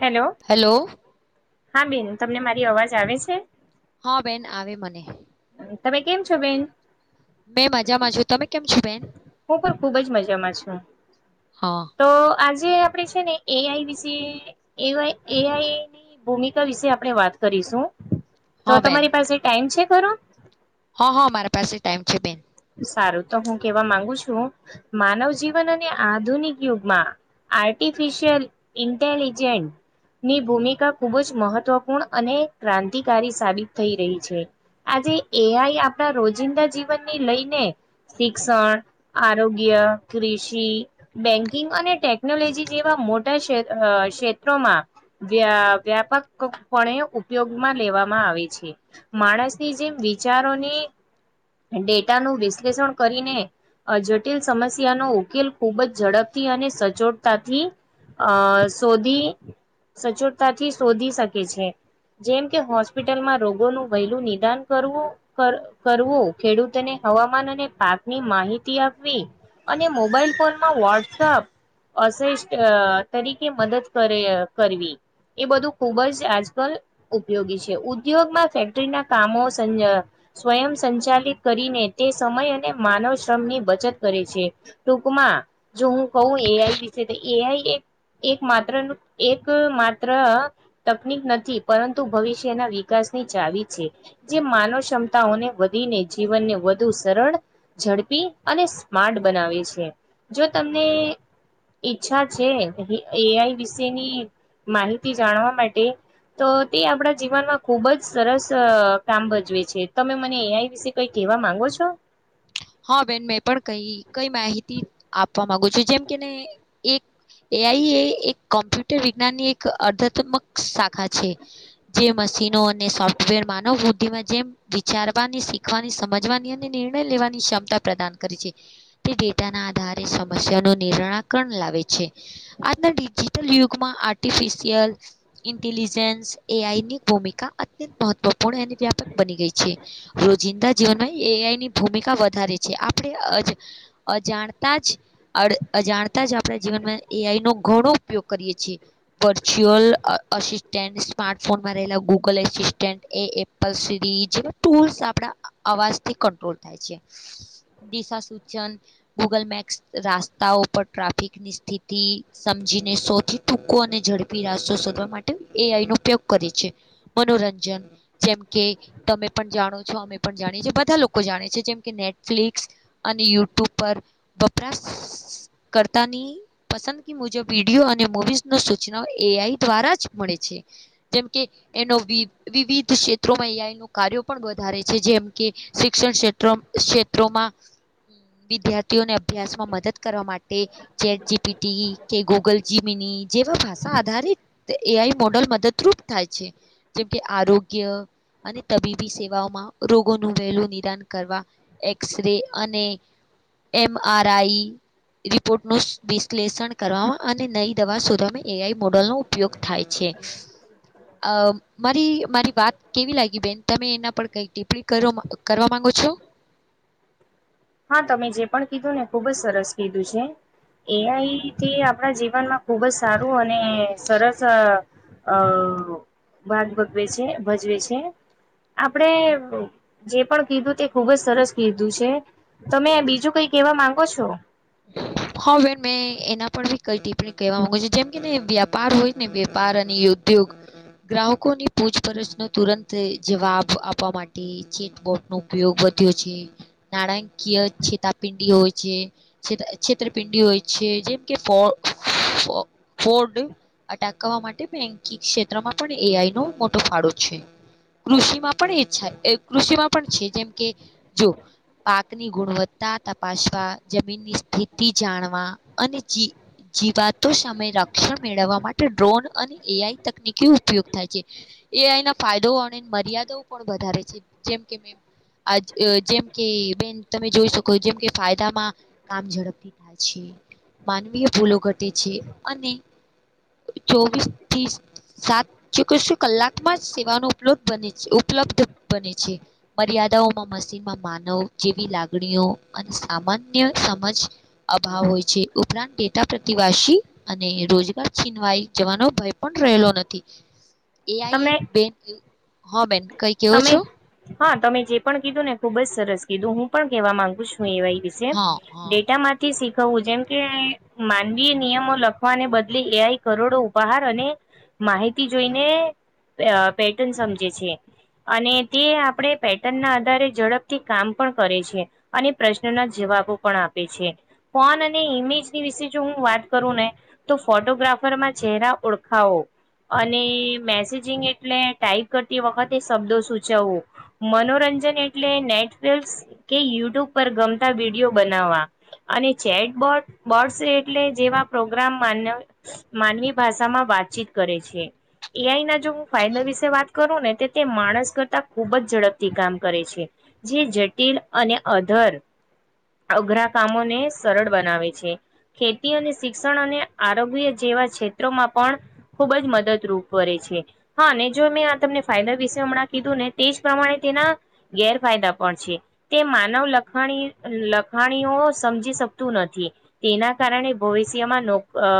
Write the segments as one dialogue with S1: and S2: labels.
S1: Hello
S2: hello.
S1: હા બેન તમને મારી અવાજ આવે છે?
S2: હા બેન આવે મને.
S1: તમે કેમ છો બેન?
S2: મેં મજામાં છું. તમે કેમ છો બેન?
S1: હું પણ ખુબ જ મજામાં છું
S2: હા.
S1: તો આજે આપણે છે. ને એઆઈ વિશે એ એઆઈની ભૂમિકા વિશે આપણે વાત કરીશું. તો
S2: હા બેન
S1: તમારી પાસે ટાઈમ છે ખરો?
S2: હા હા મારી પાસે ટાઈમ છે બેન.
S1: સારું તો હું કેવા માંગુ છું. માનવ જીવન અને આધુનિક યુગમાં આર્ટીફિશિયલ ઇન્ટલીિજેન્ટ ની ભૂમિકા ખૂબ જ મહત્વપૂર્ણ અને ક્રાંતિકારી સાબિત થઈ રહી છે. આજે એઆઈ આપણા રોજિંદા જીવન લઈને શિક્ષણ આરોગ્ય કૃષિ બેન્કિંગ અને ટેકનોલોજી જેવા મોટા ક્ષેત્રોમાં વ વ્યાપકપણે ઉપયોગમાં લેવામાં આવે છે, માણસની જેમ વિચારોની ડેટાનું વિશ્લેષણ કરીને. જટિલ સમસ્યાનો ઉકેલ ખૂબ જ ઝડપથી અને સચોટતાથી અ શોધી સચોટતાથી શોધી શકે છે. જેમ કે હોસ્પિટલમાં રોગોનું વહેલું નિદાન કરવું કરવું. ખેડૂતોને હવામાન અને પાકની માહિતી આપવી. અને મોબાઈલ ફોનમાં વહોટ્સઅપ અશિષ્ટ તરીકે મદદ કરે કરવી. એ બધું ખુબ જ આજકાલ ઉપયોગી છે. ઉદ્યોગમાં ફેક્ટરીના કામો સ્વય સંચાલિત કરીને તે સમય અને માનવ શ્રમ ની બચત કરે છે. ટૂંકમાં જો કહ એઆઈ વિશે તો એઆઈ એ એક માત્ર ન એક માત્ર તકનીક નથી. પરંતુ ભવિષ્યના વિકાસ ચાવી છે. જે માનવ ક્ષમતાઓને વધીને જીવનને વધુ સરળ ઝડપી અને સ્માર્ટ બનાવે છે. જો તમને ઈચ્છા છે. એઆઈ વિશેની માહિતી જાણવા માટે તો તે આપણા જીવનમાં ખુબ જ સરસ કામ ભજવે છે. તમે મને અહીં વિશે તોઈ કેવા માંગો છો?
S2: હા બેન મેં પણ કઈ કઈ માહિતી આપવા માગું છું, જેમ કેને એક એ આઈ એ એક કોમ્પ્યુટર વિજ્ઞાનની એક અર્ધાત્મક શાખા છે. જે મશીનો અને સોફ્ટવેર માનવ બુદ્ધિમાં જેમ વિચારવાની, શીખવાની, સમજવાની અને નિણર્ય લેવાનો ક્ષમતા પ્રદાન કરી છે, તે ડેટા ના આધારે સમસ્યાનો નિર્ણાકણ લાવે છે. આજના ડિજિટલ યુગમાં આર્ટિફિશયલ, ઇન્ટેલિજન્સ એ આઈ ની ભૂમિકા અત્યંત મહત્વપૂર્ણ અને વ્યાપક બની ગઈ છે, રોજિંદા જીવનમાં એ આઈ ની ભૂમિકા વધારે છે, આપણે અજાણતા જ અજાણતા જ આપણા જીવનમાં એ આઇ- ઘણો ઉપયોગ કરીએ છીએ, વ્યુચલ, અશિશટન્ટ સ્માર્ટફોનમાં રહેલા ગૂગલ [inaudible] એપલ સિરીજ ટૂલ્સ આપડા અવાજથી કટ્રોલ થાય છે.
S1: [inaudible]
S2: દિશા સૂચન, ગૂગલ મેપસ રાસ્તાઓ પર ટ્રાફિકની સ્થિતિ સમ- જીને સૌથી ટૂકો અને ઝડપી રાસો શોધવા માટે એ આઈ નો ઉપયોગ કરે છે, મનોરંજન જેમ કે તમે પણ જાણો છો અમે પણ જાણીએ છી બધા લોકો જાણે છે જે કે નેટફ્લિક્સ અને યુટ્યુબ પર વપરાશ કરતાની પસંદગી મુજબ વિડીયો અને મુવીઝનો સૂચના એ આઈ દ્વારા જ મળે છે. જેમ કે એનો વિવિધ ક્ષેત્રોમાં એ આઇનો કાર્યો પણ વધારે છે, જેમ કે શિક્ષણ ક્ષેત્ર ક્ષેત્રોમાં વિદ્યાર્થીઓને અભ્યાસમાં મદદ કરવા માટે ચેટ જીપીટી કે ગૂગલ જીમિની જેવા ભાષા આધારિત એ આઈ મોડલ મદદરૂપ થાય છે. જેમ કે આરોગ્ય અને તબીબી સેવાઓમાં રોગોનું વહેલું નિદાન કરવા એક્સ રે અને એમ આર આઈ રિપોર્ટ નું વિશ્લેષણ કરવામાં અને નઈ દવા શોધવામાં એ આઈ મોડલનો ઉપયોગ થાય છે. કે અ મારી મારી વાત કેવી લાગી બેન તમે એના પર કઈ ટીપ્પણી કરવામા કરવામા પૂછો
S1: હા, તમે જે પણ કીધું ને ખુબ જ સરસ કીધું છે. એ આઈથી આપણા જીવનમાં ખુબ જ સારું અને સરસ અ ભાગ ભગવે છે, ભજવે છે. આપણેે જે પણ કીધું તે ખુબ જ સરસ કીધું છે. તમે બીજું કઈ કેહેવા માંગો છો.
S2: હવે મેં એના પર. કઈ ટીપ્પણી કહેવા માંગુ છું, જેમ કેને વ્યાપાર હોય ને વેપાર અને ઉદ્યોગ. ગ્રાહકો ની પૂછપરછ નો તુરંત જવાબ આપવા માટે ચેટબોટ નો ઉપયોગ. વધ્યો છે, નાણાકીય છેતાપિંડી હોય છે. છેત છેતરપિંડી હોય છે જેમ કે ફો. ફો ફોડ અટકવા માટે બેન્કિંગ ક્ષેત્રમાં પણ. એઆઈ નો મોટો ફાળો છે. કૃષિમાં પણ એચ્છા કૃષિમાં પણ છે જેમ કે જો. પાકની ગુણવત્તા તપાસવા જમીનની સ્થિતિ જાણવા અને જી. જીવાતો સામે રક્ષણ મેળવવા માટે ડ્રોન અને એઆઈ તકનીકી ઉપયોગ થાય છે. એઆઈના ફાયદો અને મર્યાદાઓ પણ વધારે છે, જેમ કે મે. આજ જેમ કે બેન તમે જોઈ શકો જેમ કે ફાયદામાં. કામ ઝડપથી થાય છે, માનવીય ભૂલો ઘટે છે અને. ચોવીસ ત્રીસ. સાત ચોકસો કલાકમાં સેવાનો્ ઉપલબ્ધ બને છે ઉપલબ્ધ બને છે, મર્યાદા. ખાડાઓમાં મશીનમાં માનવ જેવી લાગણીઓ અને સામાન્ય. સમજ અભાવ હોય છે, ઉપરાંત ડેટા પ્રતિવાસી અને રોજગાર છીનવાઈ. જવાનો ભય પણ રહેલો નથી.
S1: [inaudible]
S2: એ આઈ બેન હ બેન કઈ કેવો
S1: તમે
S2: છો
S1: હા તમે જે પણ કીધું ને ખુબ જ સરસ કીધું હું પણ કહેવા માંગુ છું. એવા વિશે
S2: હા હા
S1: ડેટામાંથી કહવું જેમ કે માનવીય નિયમો લખવાને બદલે એઆઈ કરોડો ઉપહાર અને માહિતી જોઈને અ પેટન સમજે છે. અને તે આપણે પેટર્ન ના આધારે ઝડપથી કામ પણ કરે છે અને પ્રશ્નના જવાબ પણ આપે છે. ફોન અને ઇમેજની વિશે જો હું વાત કરું ને તો ફોટોગ્રાફરમાં ચહેરા ઓળખાવો અને મેસેજિંગ એટલે ટાાઈપ કરતી વખતે શબ્દો સૂચવવો મનોરંજન એટલે નેટફ્લિક્સ કે યુટ્યુબ પર ગમતા વિડીયો બનાવવા અને ચેટ બોર્ડ એટલે જેવા પ્રોગ્રામ માન માનવી ભાષામાં વાતચીત કરે છે એઆઈ ના જો હું ફાયદર વિશે વાત કરું ને તે માણસ કરતા ખૂબ જ ઝડપથી કામ કરે છે જે જટિલ અને અધર અઘરા કામોને સરળ બનાવે છે ખેતી અને શિક્ષણ અને આરોગ્ય જે વા ક્ષેત્રમાં પણ ખૂબ જ મદદરૂપ કરે છે હા જો મેં આ તમને ફાય વિશે હમણાં કીધું ને તે જ પ્રમાણે તેના ગેરફાયદા પણ છે તે માનવ લખાણી લખાણીઓ સમજી શકતું નથી તેના કારણે ભવિષ્યમાં અ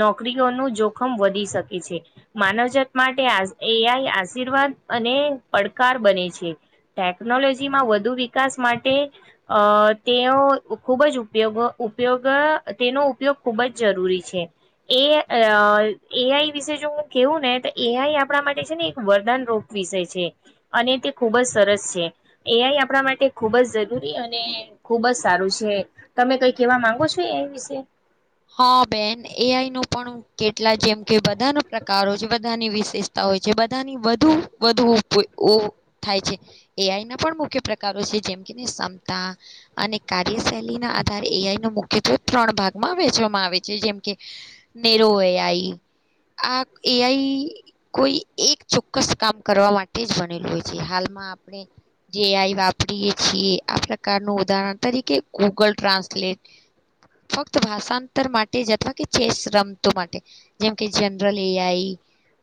S1: નોકરીઓનું જોખમ વધી શકે છે. માનવજાત માટે એ આઈ આશીર્વાદ અને પડકાર બને છે ટેકનોલોજીમાં વધુ વિકાસ માટે અ અ તેનો ખૂબ જ ઉપયોગ ઉપયોગ તેનો ઉપયોગ ખૂબ જ જરૂરી છે. એ એ આઈ વિશે જો હું કેવું ને તો એ આઈ આપણા માટે છે ને એક વરદાન ર વિષય છે અને તે ખૂબ જ સરસ છે એઆઈ આપણા માટે ખુબ જ જરૂરી અને ખુબ જ સારું છે. તમે કઈ કેવા માંગો છો એ વિશે?
S2: હા બેન એ આઈ નું પણ કેટલા જેમ કે બધા નો પ્રકારો છે બધાની વિશેષતા હોય છે બધાની વધુ વધુ થાય છે એઆઈ ના પણ મુખ્ય પ્રકારો છે જેમ કેતે ક્ષમતા અને કાર્યશૈલી ના આધાર એ આઈ નો મુખ્યત્વે ત્રણ ભાગમાં વે ચવામાં આવે છે જેમ કે નેરો એ આઈ આ એઆઈ કોઈ એક ચોક્કસ કામ કરવા માટે જ બનેલું હોય છે હાલમાં આપણેે એ આઈ વાપરીયએ છીએ આ પ્રકારનું ઉદાહરણ તરીકે ગૂગલ ટ્રાન્સલેટ ફક્ત ભાષા તર માટે અથવા કે ચેસ રમતો માટે જેમ કે જનરલ એઆઈ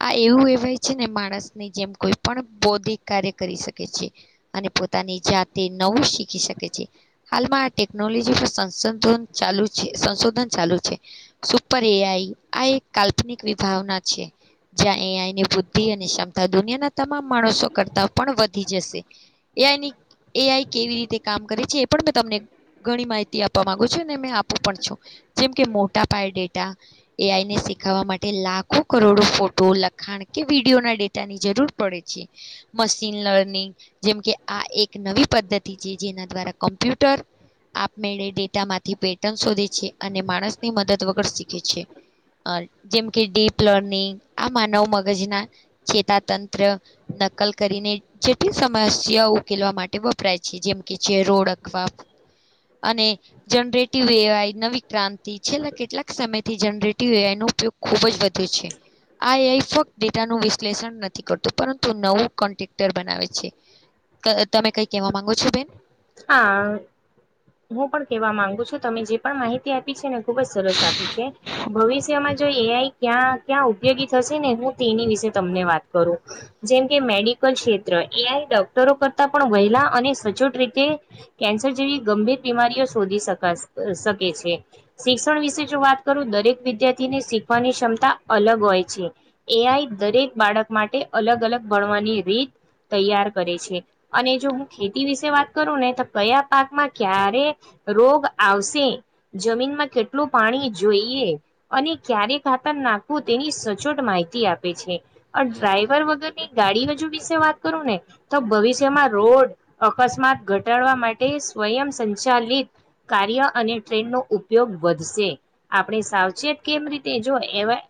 S2: આ એવું કહેવાય છે ને માણસ ની જેમ કોઈ પણ બૌદ્ધિક કાર્ય કરી શકે છે અને પોતાની જાતે નવું શીખી શકે છે હાલમાં આ ટેકનોલોજી પર સંશોધન ચાલુ છે. સંશોધન ચાલુ છે સુપર એઆઈ આ એક કાલ્પનિક વિભાવના છે. જ્યાં એ આઈની બુદ્ધિ અને ક્ષમતા દુનિયાના તમામ માણસો કરતા પણ વધી જશે. એ આઈની એઆઈ કેવી રીતે કામ કરે છે એ પણ મેં તમને ઘણી માહિતી આપવા માંગુ છું અને અમે આપું પણ છું. જેમ કે મોટા પાય ડેટા એઆઈને શીખવા માટે લાખો કરોડો ફોટો લખાણ કે વિડીયો ના ડેટા ની જરૂર પડે છે મશીન લર્નિંગ જેમકે આ એક નવી પદ્ધતિ છે જેના દ્વારા કોમ્પ્યુટર આપમેળે ડેટા માંથી પેટર્ન શોધે છે. અને માણસ ની મદદ વગર શીખે છે. અ જેમ કે ડીપ લર્નિંગ આ માનવ મગજ ના ચેતા તંત્ર નકલ કરીને જેટલી સમસ્યા ઉકેલવા માટે વપરાય છે જેમ કે છે ચેરો ઓડખવા. અને જનરેટિવ એ આઈ નવી ક્રાંતિ છેલ્લા કેટલાક સમયથી જનરેટી એનો ઉપયોગ ખૂબ જ વધ્યો છે. આ એ આઈ ફક્ત ડેટાનું વિશ્લેષણ નથી કરતું પરંતુ નવું કોન્ટેક્ટર બનાવે છે. તમે કઈ કેવા માંગો છો બેન?
S1: હા હું પણ કેવા માંગુ છું તમે જે પણ માહિતી આપી છે ને ખુબ જ સરસ આપી છે ભવિષ્યમાં જો એ આઈ ક્યાં ક્યાં ઉપયોગી થશે ને હું તેની વિશે તમને વાત કરું જેમ કે મેડિકલ ક્ષેત્ર એઆઈ ડોક્ટરો કરતા પણ વહેલા અને સચ્ચો ટ્રીટ તે કેન્સર જેવી ગંભીર બીમારીઓ શોધી સકાસે શકે છે શિક્ષણ વિશે જો વાત કરૂ દરેક વિદ્યાર્થી ને શીખવાની ક્ષમતા અલગ હોય છે એઆઈ દરેક બાળક માટે અલગ અલગ ગણવાની રીત તૈયાર કરે છે અને જો હું ખેતી વિશે વાત કરું ને તો કયા પાકમાં ક્યારે રોગ આવશે જમીનમાં કેટલું પાણી જોઈએ અને ક્યારે ખાતર નાખવું તેની સચોટ માહિતી આપે છે [unintelligible] ડ્રાઈવર વગરની ગાડી વજુ વિશે વાત કરું ને તો ભવિષ્યમાં રોડ અકસ્માત ઘટાડવા માટે સ્વયં સંચાલિત કાર્ય અને ટ્રેન નો ઉપયોગ વધશે આપણે સાવચેત કેમ રીતે જો એવા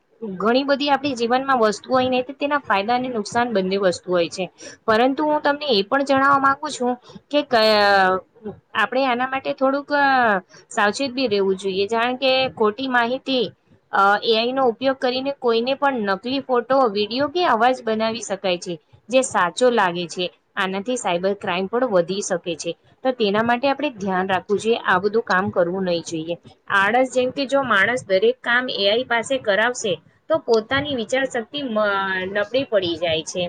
S1: ઘણી બધી આપણી જીવન માં વસ્તુ હોય ને તેના ફાયદા અને નુકસાન બંને વસ્તુ હોય છે પર પરંતુ હું તમને એ પણ જણાવવા માંગુ છું કે [unintelligible] આપડણે આના માટે થોડુંક સાવચેત બી રેવુ જોઈએ, જાણ કે એ ખોટી માહિતી અ એઆઈ, નો ઉપયોગ કરીને કોઈને પણ નકલી ફોટો વિડીિયો કે અવાજ બનાવી શકાય છે. જે સાચો લાગે છે. આનાથી સાયબર ક્રાઈમ પણ વધ શકે છે. તો તેના માટે આપણે ધ્યાન રાખવું જોઈએ આ બધું કામ કરવું નહી જોઈએ આળસ જેમ, કે જો માણસ દરેક કામ એઆઈ પાસે કરાવશે તો પોતાની વિચાર શક્તિ મા નબળી પડી જાય છે,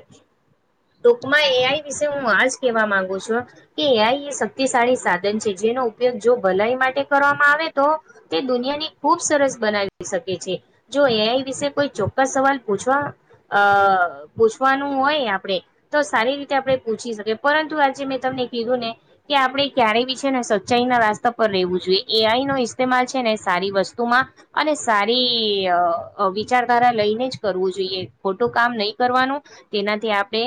S1: ટૂંકમાં એ આઈ વિશે હું આજ કેવા માંગુ છુ. કે એ આઈ યે શક્તિશાળી સાધન છે, જેનો ઉપયોગ જો ભલાઈ માટે કરવામાં આવે તો તે દુનિયાની ખૂબ સરસ બનાવી શકે છે, જો એ આઈ વિશે કોઈ ચોક્કસ સવાલ પૂછવા અ પૂછવાનુ હોય, આપડે તો સારી રીતે આપણે પૂછી શકીએ પરંતુ આજે મેં તમને કીધું ને કે આપડે ક્યારે બી છે ને સચ્ચાઈ ના રસ્તા પર રેવું જોઈએ, એ આઈ નો ઇસ્તેમાલ છેને સારી વસ્તુમા, અને સારી વિચારધારા લઈને જ કરવું જોઈએ ખોટુ કામ નહી, કરવાનુ તેનાથી આપણે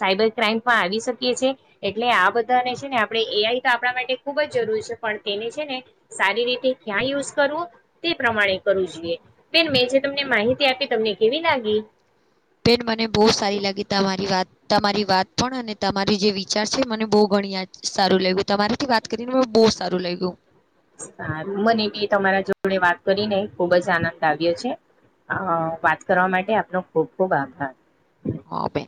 S1: સાયબર ક્રાઈમ પણ આવી શકીએ આયસે એટલે આ બધાને છેને, આપણે એઆઈ તો આપણા માટે ખુબ જ જરૂરી છે, પણ તેને છેને. સારી રીતે્ કયા, યુસ કરૂ તે પ્રમાણે કરવુ જોઈએ પેલું એ જે તમને માહિતી આપી તમને કેવી નાાગી
S2: બેન મને બહુ સારી લાગી, તમારી વાત તમારી વાત પણ અને તમારી જે વિચાર છે, મને બહુ ઘણી સારુ લાગ્યુ તમારીથી વાત કરીને મ બહુ સારુ લાગ્યુ
S1: હા, મને બી તમારા જોડે વાત કરીને ખુબજ આનંદ આવ્યો છે. અ વાત કરવા માટે આપનો ખુબ, ખુબ આભાર
S2: હા, આપે